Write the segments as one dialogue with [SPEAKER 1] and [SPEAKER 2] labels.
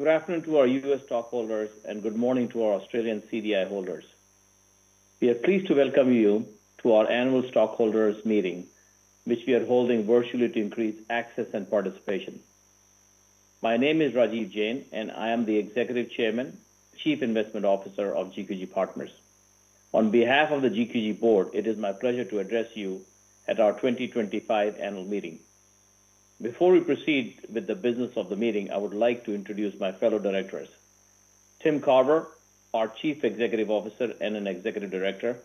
[SPEAKER 1] Good afternoon to our U.S. stockholders, and good morning to our Australian CDI holders. We are pleased to welcome you to our Annual Stockholders' Meeting, which we are holding virtually to increase access and participation. My name is Rajiv Jain, and I am the Executive Chairman, Chief Investment Officer of GQG Partners. On behalf of the GQG Board, it is my pleasure to address you at our 2025 annual meeting. Before we proceed with the business of the meeting, I would like to introduce my fellow directors: Tim Carver, our Chief Executive Officer and an Executive Director;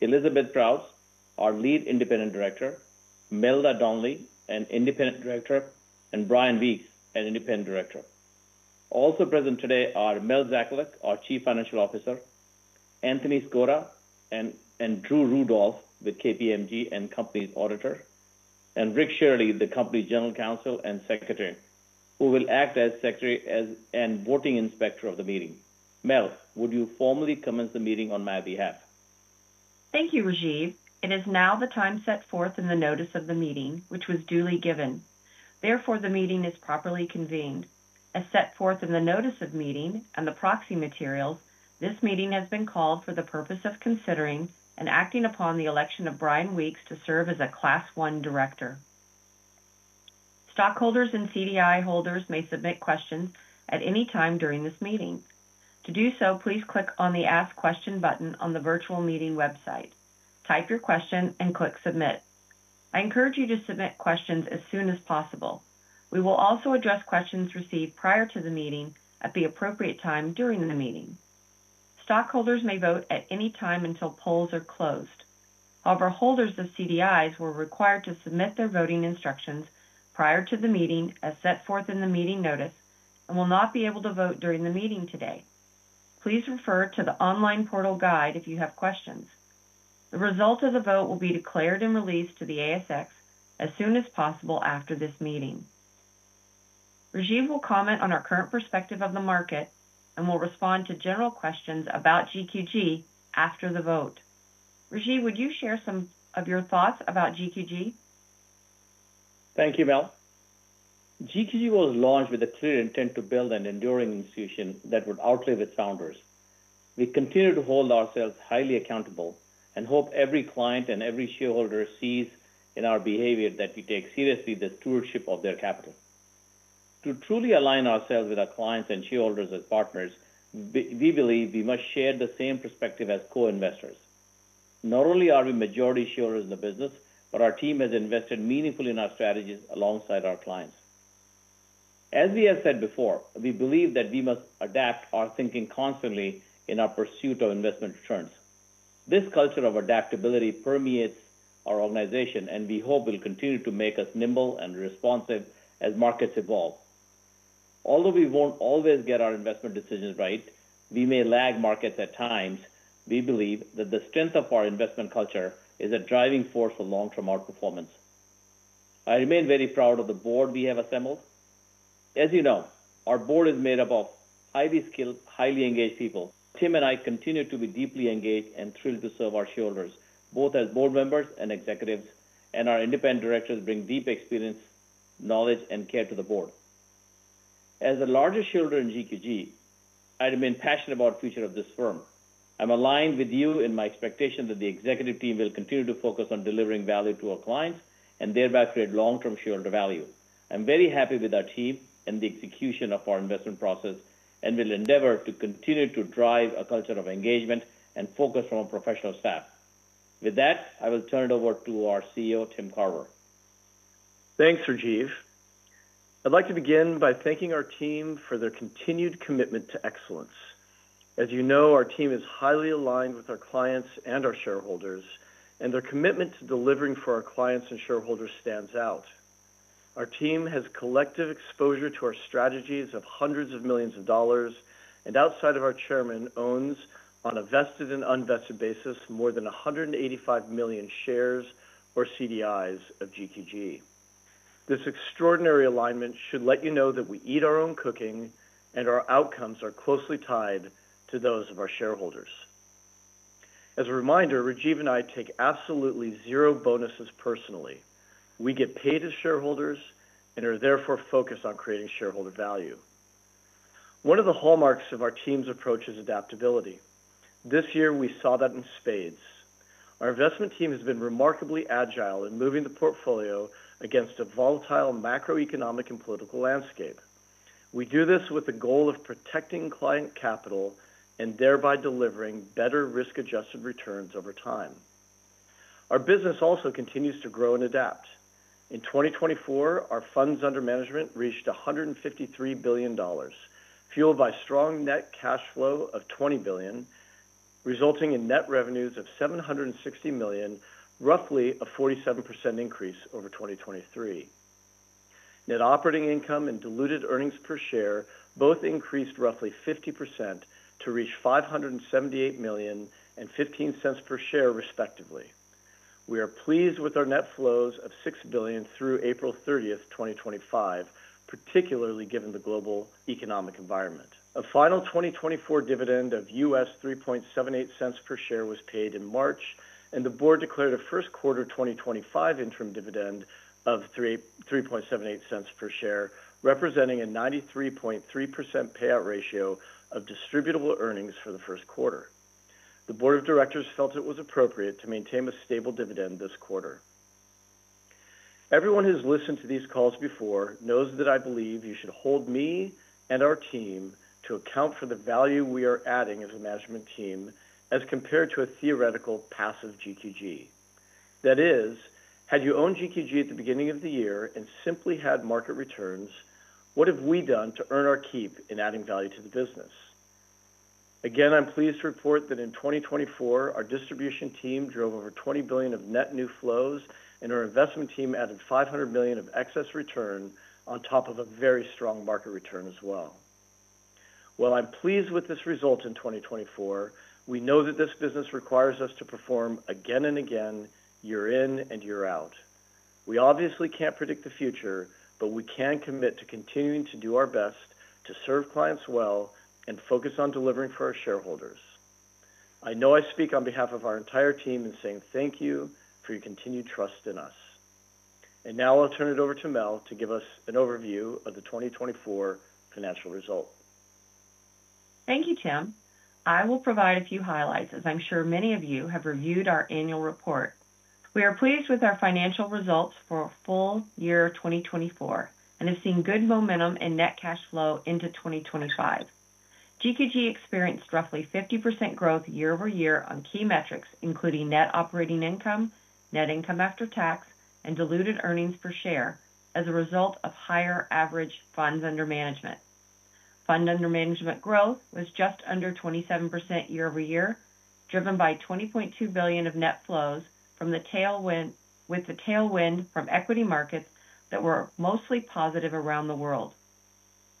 [SPEAKER 1] Elizabeth Proust, our Lead Independent Director; Melda Donnelly, an Independent Director; and Bryan Weeks, an Independent Director. Also present today are Mel Zakaluk, our Chief Financial Officer, Anthony Scoda, and Drew Rudolph, the KPMG and Company's Auditor, and Rick Sherley, the Company's General Counsel and Secretary, who will act as Secretary and Voting Inspector of the meeting. Mel, would you formally commence the meeting on my behalf?
[SPEAKER 2] Thank you, Rajiv. It is now the time set forth in the notice of the meeting, which was duly given. Therefore, the meeting is properly convened. As set forth in the notice of meeting and the proxy materials, this meeting has been called for the purpose of considering and acting upon the election of Bryan Weeks to serve as a Class 1 Director. Stockholders and CDI holders may submit questions at any time during this meeting. To do so, please click on the Ask Question button on the virtual meeting website. Type your question and click Submit. I encourage you to submit questions as soon as possible. We will also address questions received prior to the meeting at the appropriate time during the meeting. Stockholders may vote at any time until polls are closed. However, holders of CDIs were required to submit their voting instructions prior to the meeting, as set forth in the meeting notice, and will not be able to vote during the meeting today. Please refer to the online portal guide if you have questions. The result of the vote will be declared and released to the ASX as soon as possible after this meeting. Rajiv will comment on our current perspective of the market and will respond to general questions about GQG after the vote. Rajiv, would you share some of your thoughts about GQG?
[SPEAKER 1] Thank you, Mel. GQG was launched with a clear intent to build an enduring institution that would outlive its founders. We continue to hold ourselves highly accountable and hope every client and every shareholder sees in our behavior that we take seriously the stewardship of their capital. To truly align ourselves with our clients and shareholders as partners, we believe we must share the same perspective as co-investors. Not only are we majority shareholders in the business, but our team has invested meaningfully in our strategies alongside our clients. As we have said before, we believe that we must adapt our thinking constantly in our pursuit of investment returns. This culture of adaptability permeates our organization, and we hope it will continue to make us nimble and responsive as markets evolve. Although we won't always get our investment decisions right, we may lag markets at times, we believe that the strength of our investment culture is a driving force for long-term outperformance. I remain very proud of the board we have assembled. As you know, our board is made up of highly skilled, highly engaged people. Tim and I continue to be deeply engaged and thrilled to serve our shareholders, both as board members and executives, and our independent directors bring deep experience, knowledge, and care to the board. As the largest shareholder in GQG, I remain passionate about the future of this firm. I'm aligned with you in my expectation that the executive team will continue to focus on delivering value to our clients and thereby create long-term shareholder value. I'm very happy with our team and the execution of our investment process and will endeavor to continue to drive a culture of engagement and focus from a professional staff. With that, I will turn it over to our CEO, Tim Carver.
[SPEAKER 3] Thanks, Rajiv. I'd like to begin by thanking our team for their continued commitment to excellence. As you know, our team is highly aligned with our clients and our shareholders, and their commitment to delivering for our clients and shareholders stands out. Our team has collective exposure to our strategies of hundreds of millions of dollars, and outside of our Chairman, owns on a vested and unvested basis more than 185 million shares or CDIs of GQG. This extraordinary alignment should let you know that we eat our own cooking and our outcomes are closely tied to those of our shareholders. As a reminder, Rajiv and I take absolutely zero bonuses personally. We get paid as shareholders and are therefore focused on creating shareholder value. One of the hallmarks of our team's approach is adaptability. This year, we saw that in spades. Our investment team has been remarkably agile in moving the portfolio against a volatile macroeconomic and political landscape. We do this with the goal of protecting client capital and thereby delivering better risk-adjusted returns over time. Our business also continues to grow and adapt. In 2024, our funds under management reached $153 billion, fueled by a strong net cash flow of $20 billion, resulting in net revenues of $760 million, roughly a 47% increase over 2023. Net operating income and diluted earnings per share both increased roughly 50% to reach $578 million and $0.15 per share, respectively. We are pleased with our net flows of $6 billion through April 30, 2025, particularly given the global economic environment. A final 2024 dividend of $3.78 per share was paid in March, and the board declared a first quarter 2025 interim dividend of $3.78 per share, representing a 93.3% payout ratio of distributable earnings for the first quarter. The board of directors felt it was appropriate to maintain a stable dividend this quarter. Everyone who's listened to these calls before knows that I believe you should hold me and our team to account for the value we are adding as a management team as compared to a theoretical passive GQG. That is, had you owned GQG at the beginning of the year and simply had market returns, what have we done to earn our keep in adding value to the business? Again, I'm pleased to report that in 2024, our distribution team drove over $20 billion of net new flows, and our investment team added $500 million of excess return on top of a very strong market return as well. While I'm pleased with this result in 2024, we know that this business requires us to perform again and again, year in and year out. We obviously can't predict the future, but we can commit to continuing to do our best to serve clients well and focus on delivering for our shareholders. I know I speak on behalf of our entire team in saying thank you for your continued trust in us. Now I'll turn it over to Mel to give us an overview of the 2024 financial result.
[SPEAKER 2] Thank you, Tim. I will provide a few highlights, as I'm sure many of you have reviewed our annual report. We are pleased with our financial results for full year 2024 and have seen good momentum in net cash flow into 2025. GQG experienced roughly 50% growth year over year on key metrics, including net operating income, net income after tax, and diluted earnings per share as a result of higher average funds under management. Funds under management growth was just under 27% year over year, driven by $20.2 billion of net flows from the tailwind from equity markets that were mostly positive around the world.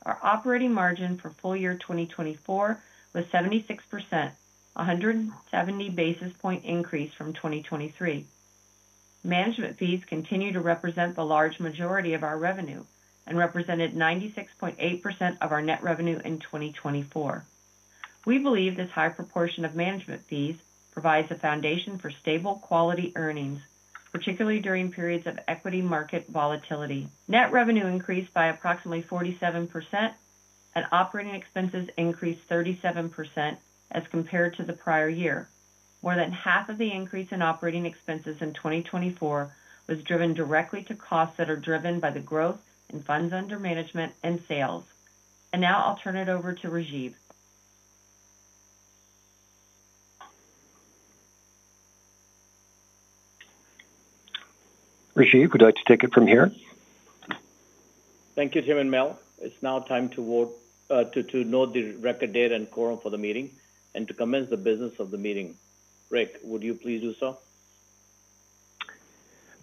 [SPEAKER 2] Our operating margin for full year 2024 was 76%, a 170 basis point increase from 2023. Management fees continue to represent the large majority of our revenue and represented 96.8% of our net revenue in 2024. We believe this high proportion of management fees provides a foundation for stable, quality earnings, particularly during periods of equity market volatility. Net revenue increased by approximately 47%, and operating expenses increased 37% as compared to the prior year. More than half of the increase in operating expenses in 2024 was driven directly to costs that are driven by the growth in funds under management and sales. Now I'll turn it over to Rajiv.
[SPEAKER 4] Rajiv, would you like to take it from here?
[SPEAKER 1] Thank you, Tim and Mel. It's now time to note the record date and quorum for the meeting and to commence the business of the meeting. Rick, would you please do so?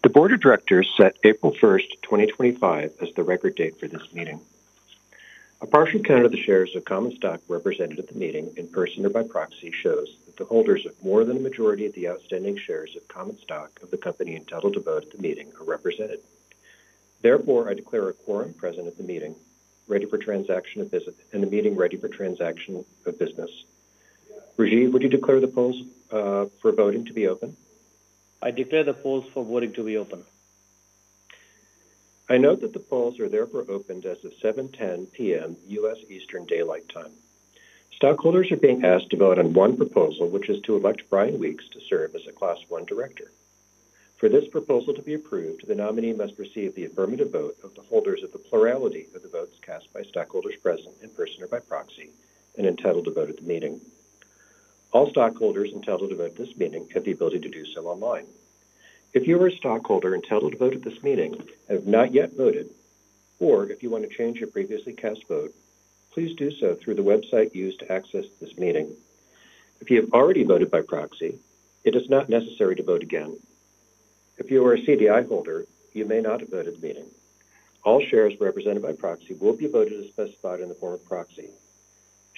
[SPEAKER 4] The Board of Directors set April 1, 2025, as the record date for this meeting. A partial count of the shares of Common Stock represented at the meeting in person or by proxy shows that the holders of more than a majority of the outstanding shares of Common Stock of the company entitled to vote at the meeting are represented. Therefore, I declare a quorum present at the meeting, ready for transaction of business, and the meeting ready for transaction of business. Rajiv, would you declare the polls for voting to be open?
[SPEAKER 1] I declare the polls for voting to be open.
[SPEAKER 4] I note that the polls are therefore opened as of 7:10 P.M. U.S. Eastern Daylight Time. Stockholders are being asked to vote on one proposal, which is to elect Bryan Weeks to serve as a Class 1 Director. For this proposal to be approved, the nominee must receive the affirmative vote of the holders of the plurality of the votes cast by stockholders present in person or by proxy and entitled to vote at the meeting. All stockholders entitled to vote at this meeting have the ability to do so online. If you are a stockholder entitled to vote at this meeting and have not yet voted, or if you want to change your previously cast vote, please do so through the website used to access this meeting. If you have already voted by proxy, it is not necessary to vote again. If you are a CDI holder, you may not have voted the meeting. All shares represented by proxy will be voted as specified in the form of proxy.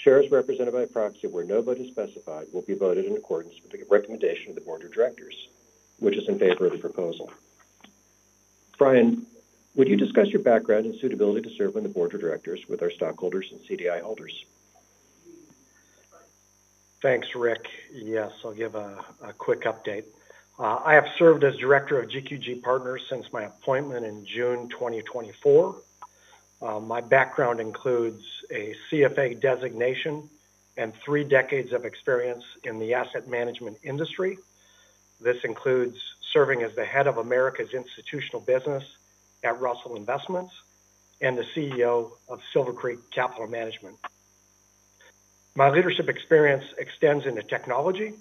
[SPEAKER 4] Shares represented by proxy where no vote is specified will be voted in accordance with the recommendation of the board of directors, which is in favor of the proposal. Bryan, would you discuss your background and suitability to serve on the Board of Directors with our stockholders and CDI holders?
[SPEAKER 5] Thanks, Rick. Yes, I'll give a quick update. I have served as Director of GQG Partners since my appointment in June 2024. My background includes a CFA designation and three decades of experience in the asset management industry. This includes serving as the head of Americas institutional business at Russell Investments and the CEO of Silver Creek Capital Management. My leadership experience extends into technology,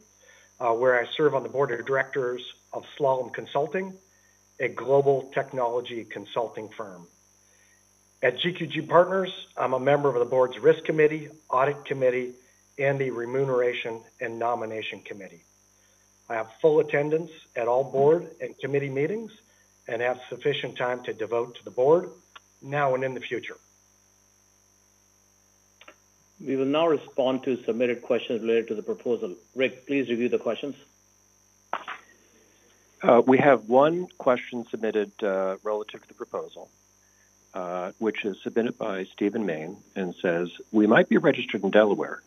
[SPEAKER 5] where I serve on the Board of Directors of Slalom Consulting, a global technology consulting firm. At GQG Partners, I'm a member of the board's risk committee, audit committee, and the remuneration and nomination committee. I have full attendance at all board and committee meetings and have sufficient time to devote to the board now and in the future.
[SPEAKER 1] We will now respond to submitted questions related to the proposal. Rick, please review the questions.
[SPEAKER 4] We have one question submitted relative to the proposal, which is submitted by Stephen Mayne and says, "We might be registered in Delaware,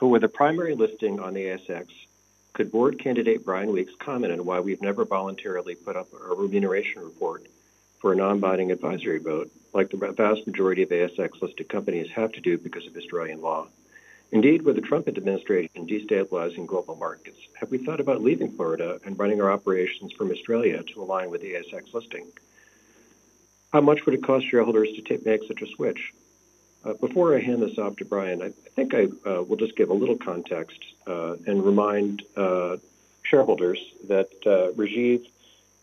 [SPEAKER 4] but with the primary listing on the ASX, could board candidate Bryan Weeks comment on why we've never voluntarily put up a remuneration report for a non-binding advisory vote, like the vast majority of ASX-listed companies have to do because of Australian law? Indeed, with the Trump administration destabilizing global markets, have we thought about leaving Florida and running our operations from Australia to align with the ASX listing? How much would it cost shareholders to make such a switch?" Before I hand this off to Bryan, I think I will just give a little context and remind shareholders that Rajiv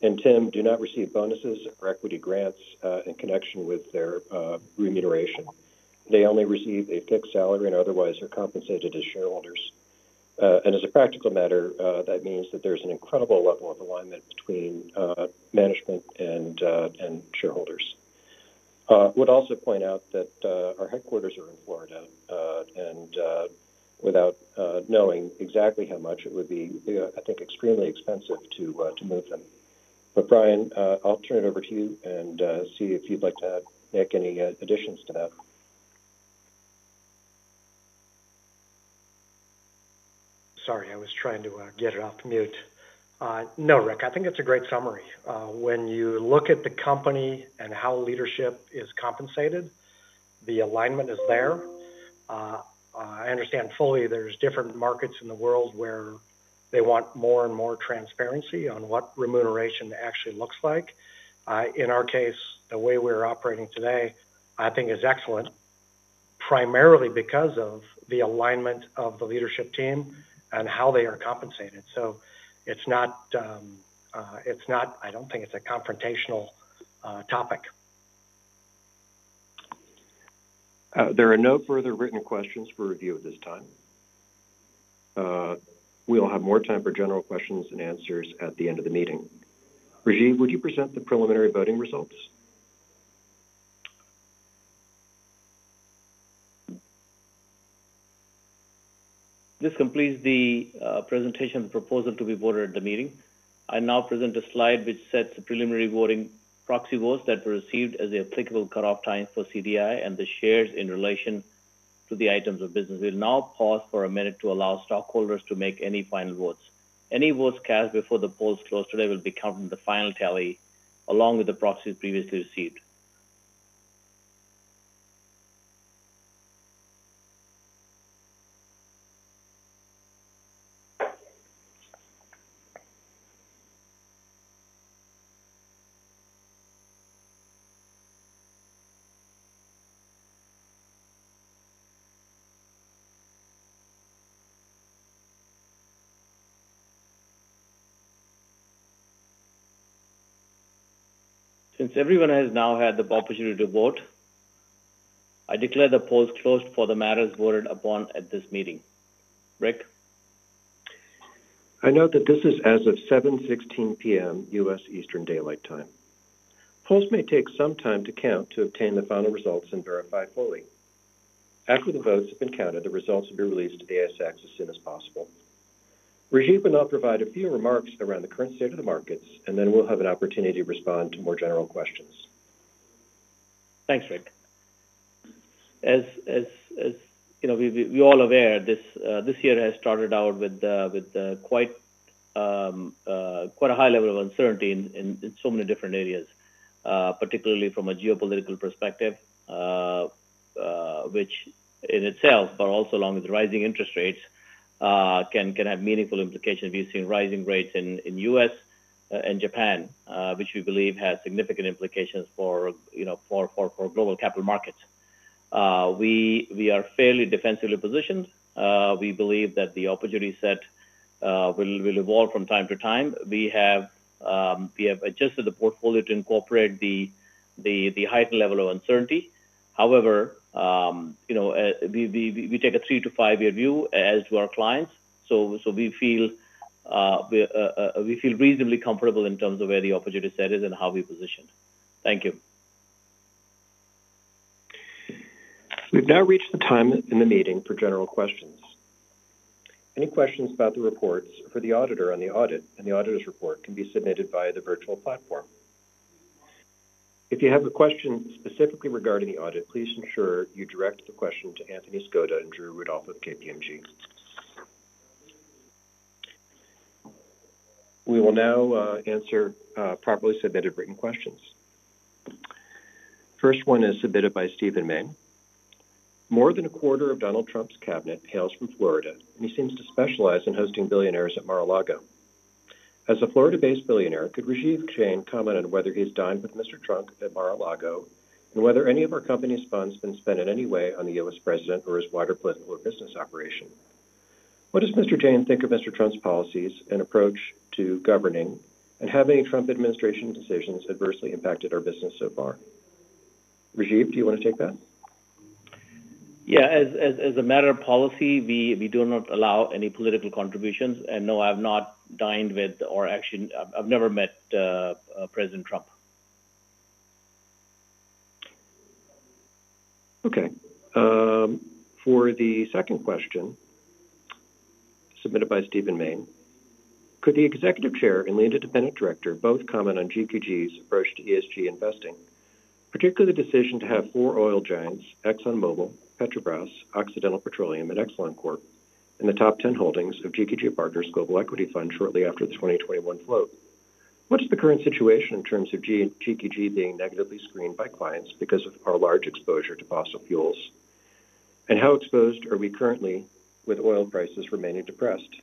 [SPEAKER 4] and Tim do not receive bonuses or equity grants in connection with their remuneration. They only receive a fixed salary and otherwise are compensated as shareholders.
[SPEAKER 3] As a practical matter, that means that there's an incredible level of alignment between management and shareholders. I would also point out that our headquarters are in Florida, and without knowing exactly how much it would be, I think, extremely expensive to move them. Bryan, I'll turn it over to you and see if you'd like to make any additions to that.
[SPEAKER 5] Sorry, I was trying to get it off mute. No, Rick, I think it's a great summary. When you look at the company and how leadership is compensated, the alignment is there. I understand fully there's different markets in the world where they want more and more transparency on what remuneration actually looks like. In our case, the way we're operating today, I think, is excellent, primarily because of the alignment of the leadership team and how they are compensated. I don't think it's a confrontational topic.
[SPEAKER 4] There are no further written questions for review at this time. We'll have more time for general questions and answers at the end of the meeting. Rajiv, would you present the preliminary voting results?
[SPEAKER 1] This completes the presentation of the proposal to be voted at the meeting. I now present a slide which sets the preliminary voting proxy votes that were received as the applicable cutoff time for CDI and the shares in relation to the items of business. We'll now pause for a minute to allow stockholders to make any final votes. Any votes cast before the polls close today will be counted in the final tally along with the proxies previously received. Since everyone has now had the opportunity to vote, I declare the polls closed for the matters voted upon at this meeting. Rick?
[SPEAKER 4] I note that this is as of 7:16 P.M. U.S. Eastern Daylight Time. Polls may take some time to count to obtain the final results and verify fully. After the votes have been counted, the results will be released to the ASX as soon as possible. Rajiv will now provide a few remarks around the current state of the markets, and then we'll have an opportunity to respond to more general questions.
[SPEAKER 1] Thanks, Rick. As we're all aware, this year has started out with quite a high level of uncertainty in so many different areas, particularly from a geopolitical perspective, which in itself, but also along with rising interest rates, can have meaningful implications. We've seen rising rates in the U.S. and Japan, which we believe has significant implications for global capital markets. We are fairly defensively positioned. We believe that the opportunity set will evolve from time to time. We have adjusted the portfolio to incorporate the heightened level of uncertainty. However, we take a three to five-year view as do our clients, so we feel reasonably comfortable in terms of where the opportunity set is and how we're positioned. Thank you.
[SPEAKER 4] We've now reached the time in the meeting for general questions. Any questions about the reports for the auditor on the audit and the auditor's report can be submitted via the virtual platform. If you have a question specifically regarding the audit, please ensure you direct the question to Anthony Scoda and Drew Rudolph of KPMG. We will now answer properly submitted written questions. The first one is submitted by Stephen Mayne. More than a quarter of Donald Trump's cabinet hails from Florida, and he seems to specialize in hosting billionaires at Mar-a-Lago. As a Florida-based billionaire, could Rajiv Jain comment on whether he's dined with Mr. Trump at Mar-a-Lago and whether any of our company's funds have been spent in any way on the U.S. president or his wider political business operation? What does Mr. Jain think of Mr. Trump's policies and approach to governing, and have any Trump administration decisions adversely impacted our business so far? Rajiv, do you want to take that?
[SPEAKER 1] Yeah. As a matter of policy, we do not allow any political contributions, and no, I've not dined with or actually, I've never met President Trump.
[SPEAKER 4] Okay. For the second question submitted by Stephen Mayne, could the Executive Chair and Lead Independent Director both comment on GQG's approach to ESG investing, particularly the decision to have four oil giants, ExxonMobil, Petrobras, Occidental Petroleum, and Exxon Corp, in the top 10 holdings of GQG Partners Global Equity Fund shortly after the 2021 float? What is the current situation in terms of GQG being negatively screened by clients because of our large exposure to fossil fuels? How exposed are we currently with oil prices remaining depressed?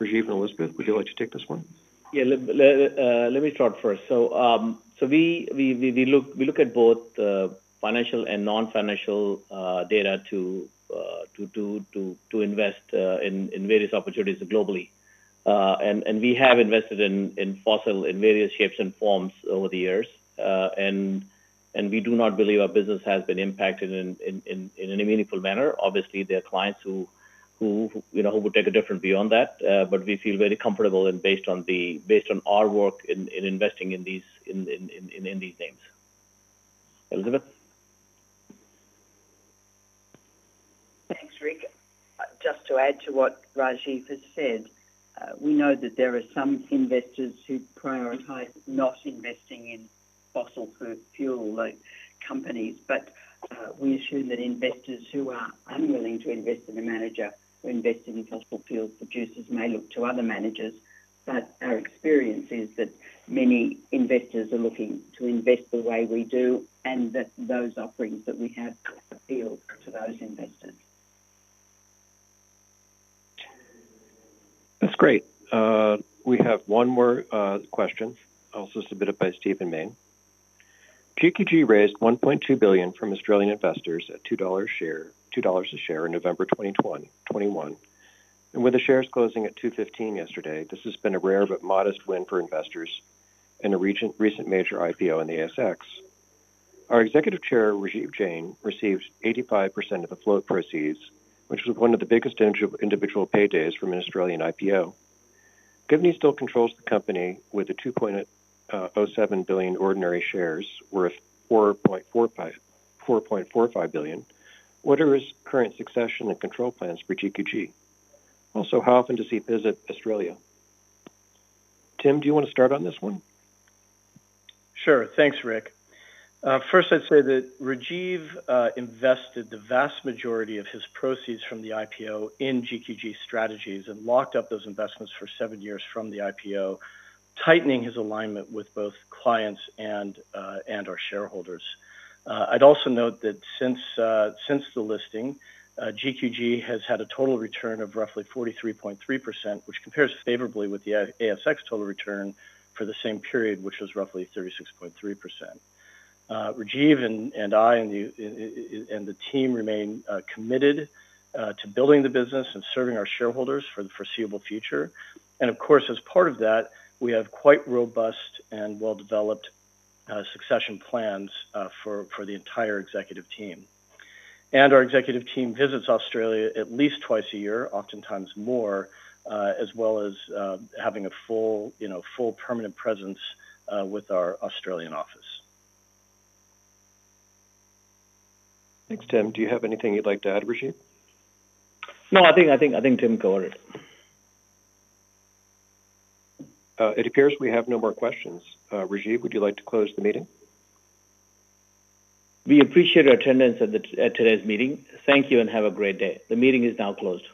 [SPEAKER 4] Rajiv and Elizabeth, would you like to take this one?
[SPEAKER 1] Yeah, let me start first. We look at both financial and non-financial data to invest in various opportunities globally. We have invested in fossil in various shapes and forms over the years. We do not believe our business has been impacted in any meaningful manner. Obviously, there are clients who would take a different view on that, but we feel very comfortable and based on our work in investing in these names.
[SPEAKER 4] Elizabeth?
[SPEAKER 6] Thanks, Rick. Just to add to what Rajiv has said, we know that there are some investors who prioritize not investing in fossil fuel companies, but we assume that investors who are unwilling to invest in a manager who invests in fossil fuel producers may look to other managers. Our experience is that many investors are looking to invest the way we do and that those offerings that we have appeal to those investors.
[SPEAKER 4] That's great. We have one more question, also submitted by Stephen Mayne. GQG raised 1.2 billion from Australian investors at 2 dollars a share in November 2021. With the shares closing at 2.15 yesterday, this has been a rare but modest win for investors in a recent major IPO in the ASX. Our Executive Chair, Rajiv Jain, received 85% of the float proceeds, which was one of the biggest individual paydays from an Australian IPO. Given he still controls the company with the 2.07 billion ordinary shares worth 4.45 billion, what are his current succession and control plans for GQG? Also, how often does he visit Australia? Tim, do you want to start on this one?
[SPEAKER 3] Sure. Thanks, Rick. First, I'd say that Rajiv invested the vast majority of his proceeds from the IPO in GQG strategies and locked up those investments for seven years from the IPO, tightening his alignment with both clients and our shareholders. I'd also note that since the listing, GQG has had a total return of roughly 43.3%, which compares favorably with the ASX total return for the same period, which was roughly 36.3%. Rajiv and I and the team remain committed to building the business and serving our shareholders for the foreseeable future. Of course, as part of that, we have quite robust and well-developed succession plans for the entire executive team. Our executive team visits Australia at least twice a year, oftentimes more, as well as having a full permanent presence with our Australian office.
[SPEAKER 4] Thanks, Tim. Do you have anything you'd like to add, Rajiv?
[SPEAKER 1] No, I think Tim covered it.
[SPEAKER 3] It appears we have no more questions. Rajiv, would you like to close the meeting?
[SPEAKER 1] We appreciate your attendance at today's meeting. Thank you and have a great day. The meeting is now closed.